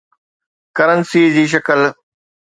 currency جي شڪل